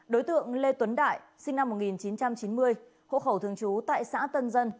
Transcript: đối tượng lê tuấn đại sinh năm một nghìn chín trăm chín mươi hộ khẩu thường trú tại xã tân dân